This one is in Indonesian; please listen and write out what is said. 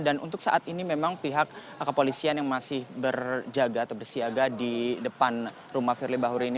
dan untuk saat ini memang pihak kepolisian yang masih berjaga atau bersiaga di depan rumah firly bahuri ini